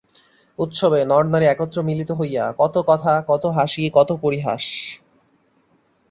উৎসবে নরনারী একত্র মিলিত হইয়া কত কথা, কত হাসি, কত পরিহাস।